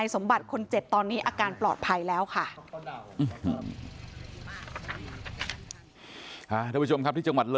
สมบัติคนเจ็บตอนนี้อาการปลอดภัยแล้วค่ะ